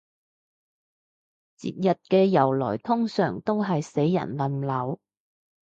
節日嘅由來通常都係死人冧樓